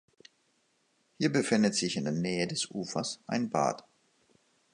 Hier befindet sich in der Nähe des Ufers ein Bad.